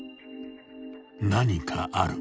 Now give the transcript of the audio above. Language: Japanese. ［何かある］